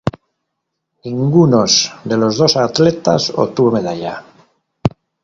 Ningunos de los dos atletas obtuvo medalla.